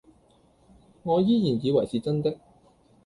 我依然以為是真的